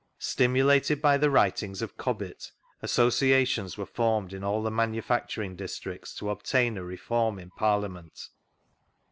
Stimulated by the writings of Cobbett, associations were formed in all the manufacturing districts to obtain a reform in Parliament.